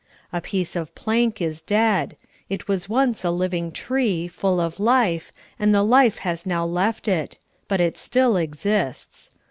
A piece of plank is dead ; it was once a living tree, full of life, and the life has now left it ; but it still exists.